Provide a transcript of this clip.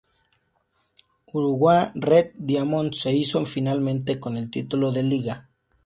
Urawa Red Diamonds se hizo finalmente con el título de Liga.